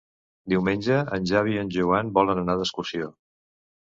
Diumenge en Xavi i en Joan volen anar d'excursió.